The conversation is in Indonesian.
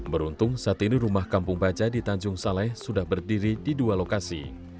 beruntung saat ini rumah kampung baca di tanjung saleh sudah berdiri di dua lokasi